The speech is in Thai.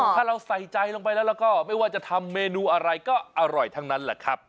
ถ้าเราใส่ใจลงไปแล้วแล้วก็ไม่ว่าจะทำเมนูอะไรก็อร่อยทั้งนั้นแหละครับ